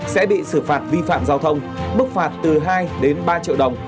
sẽ bị xử phạt vi phạm giao thông bức phạt từ hai đến ba triệu đồng